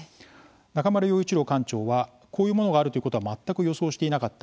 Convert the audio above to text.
中村羊一郎館長はこういうものがあるということは全く予想していなかった。